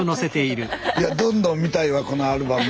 いやどんどん見たいわこのアルバム。